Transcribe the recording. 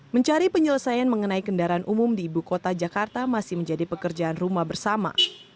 mencari penyelesaian mengenai kendaraan umum di ibu kota jakarta masih menjadi pekerjaan rumah bersama